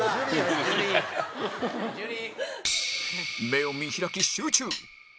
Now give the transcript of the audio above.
目を見開き集中！